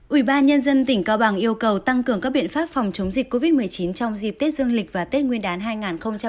ủy ban nhân dân tỉnh cao bằng yêu cầu tăng cường các biện pháp phòng chống dịch covid một mươi chín trong dịp tết dương lịch và tết nguyên đán hai nghìn hai mươi